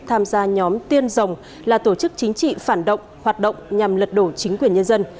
tham gia nhóm tiên rồng là tổ chức chính trị phản động hoạt động nhằm lật đổ chính quyền nhân dân